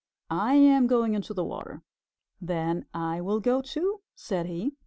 I am going into the water." "Then I will go too," said he.